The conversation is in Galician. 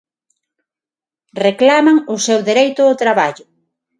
Reclaman o seu dereito ao traballo.